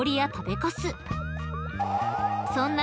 ［そんな］